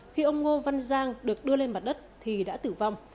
khi ông ngô văn giang được đưa lên mặt đất thì đã tử vong